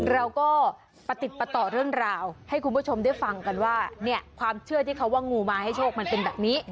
เราก็ประติดประต่อเรื่องราวให้คุณผู้ชมได้ฟังกันว่าเนี่ยความเชื่อที่เขาว่างูมาให้โชคมันเป็นแบบนี้